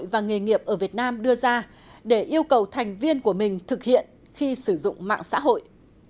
các quy tắc và nghề nghiệp ở việt nam đưa ra để yêu cầu thành viên của mình thực hiện khi sử dụng mạng xã hội